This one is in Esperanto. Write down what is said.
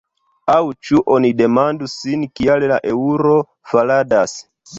Aŭ ĉu oni demandu sin kial la eŭro faladas?